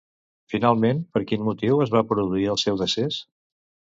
Finalment, per quin motiu es va produir el seu decés?